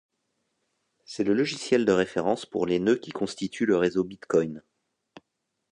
C'est le logiciel de référence pour les nœuds qui constituent le réseau Bitcoin.